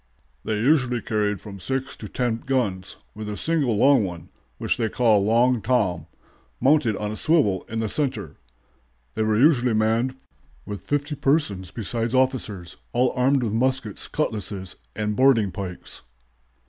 "They usually carried from six to ten guns, with a single long one, which was called 'Long Tom,' mounted on a swivel in the center. They were usually manned with fifty persons besides officers, all armed with muskets, cutlasses, and boarding pikes."